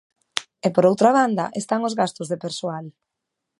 E por outra banda están os gastos de persoal.